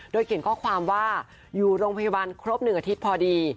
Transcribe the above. โดยเขียนข้อความว่าอยู่โรงพยาบาลครบ๑อาทิตย์พอดี